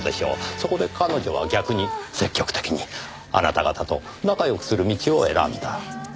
そこで彼女は逆に積極的にあなた方と仲良くする道を選んだ。